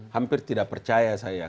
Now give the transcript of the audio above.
hampir tidak percaya saya